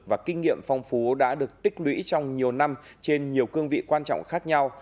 và kinh nghiệm phong phú đã được tích lũy trong nhiều năm trên nhiều cương vị quan trọng khác nhau